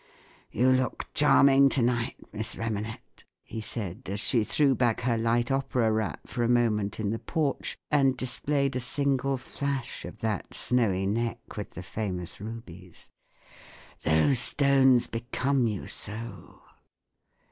You looked charming to night, Miss Remanet*" he said, as she threw back her light opera wrap for a moment in the porch and displayed a single flash of that snowy neck with the famous rubies ;" those stones become you so."